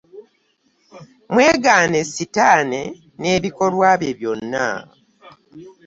Mwegaane Setaani n'ebikolwa bye byonna.